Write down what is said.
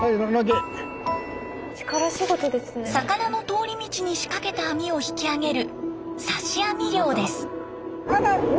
魚の通り道に仕掛けた網を引き揚げる刺し網漁です。